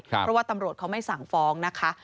เพราะว่าตำรวจเขาไม่สั่งฟ้องนะคะ